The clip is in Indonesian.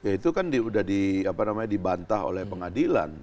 itu kan sudah dibantah oleh pengadilan